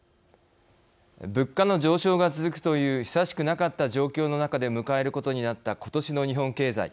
物価の上昇が続くという久しくなかった状況の中で迎えることになった今年の日本経済。